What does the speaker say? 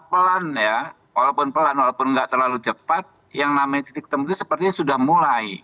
pelan ya walaupun pelan walaupun gak terlalu cepat yang namanya titik titik temu itu sepertinya sudah mulai